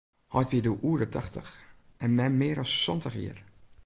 Heit wie doe oer de tachtich en mem mear as santich jier.